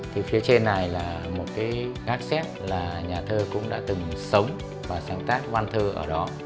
thì phía trên này là một cái gác xét là nhà thơ cũng đã từng sống và sáng tác văn thơ ở đó